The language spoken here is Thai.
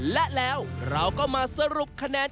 และแล้วเราก็มาสรุปคะแนน